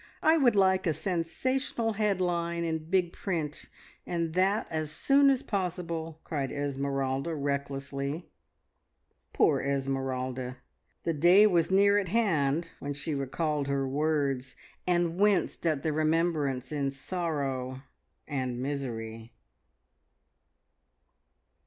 I would like a sensational headline in big print, and that as soon as possible!" cried Esmeralda recklessly. Poor Esmeralda! The day was near at hand when she recalled her words, and winced at the remembrance in sorrow and misery.